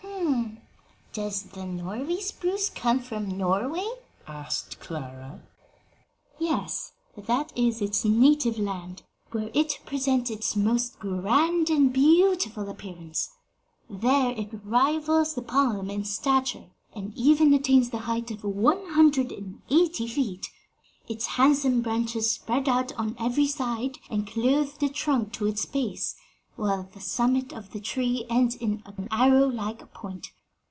"Does the Norway spruce come from Norway?" asked Clara. "Yes; that is its native land, where it presents its most grand and beautiful appearance. There it 'rivals the palm in stature, and even attains the height of one hundred and eighty feet. Its handsome branches spread out on every side and clothe the trunk to its base, while the summit of the tree ends in an arrow like point.